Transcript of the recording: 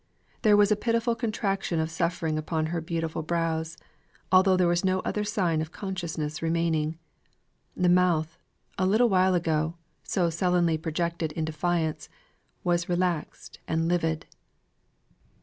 There was a pitiful contraction of suffering upon her beautiful brows, although there was no other sign of consciousness remaining. The mouth a little while ago, so sullenly projected in defiance was relaxed and livid.